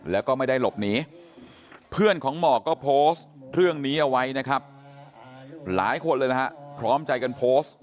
แล้วก็ไม่ได้หลบหนีเพื่อนของหมอกก็โพสต์เรื่องนี้เอาไว้นะครับหลายคนเลยนะฮะพร้อมใจกันโพสต์